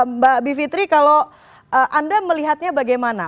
mbak bivitri kalau anda melihatnya bagaimana